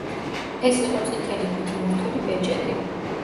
ეს იყო წითელი ქვით მორთული ბეჭედი.